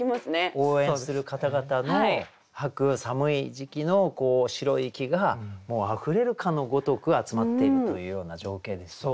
応援する方々の吐く寒い時期の白い息がもうあふれるかのごとく集まっているというような情景ですよね。